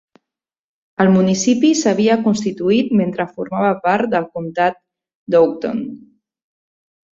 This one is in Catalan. El municipi s'havia constituït mentre formava part del comtat d'Houghton.